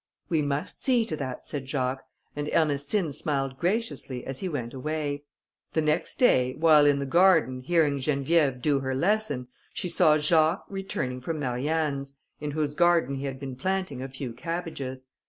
"We must see to that," said Jacques, and Ernestine smiled graciously as he went away. The next day, while in the garden hearing Geneviève her lesson, she saw Jacques returning from Marianne's, in whose garden he had been planting a few cabbages.